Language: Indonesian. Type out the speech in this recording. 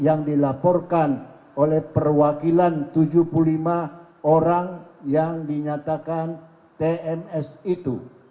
yang dilaporkan oleh perwakilan tujuh puluh lima orang yang dinyatakan tms itu